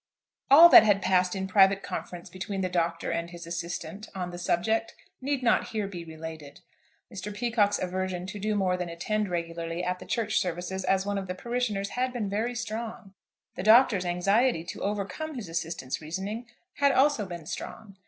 All that had passed in private conference between the Doctor and his assistant on the subject need not here be related. Mr. Peacocke's aversion to do more than attend regularly at the church services as one of the parishioners had been very strong. The Doctor's anxiety to overcome his assistant's reasoning had also been strong.